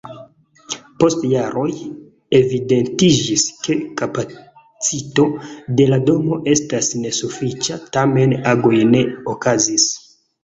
Post jaroj evidentiĝis, ke kapacito de la domo estas nesufiĉa, tamen agoj ne okazis.